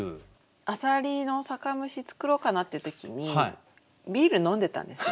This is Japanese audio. あさりの酒蒸し作ろうかなっていう時にビール飲んでたんですね。